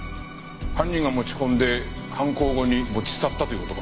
犯人が持ち込んで犯行後に持ち去ったという事か？